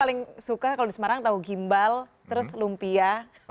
paling suka kalau di semarang tahu gimbal terus lumpia